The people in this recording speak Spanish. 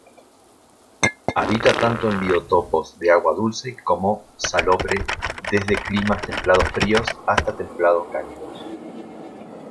Habita tanto en biotopos de agua dulce como salobre desde climas templado-fríos hasta templado-cálidos.